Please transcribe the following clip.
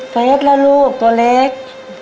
เฟสแล้วลูกตัวเล็ก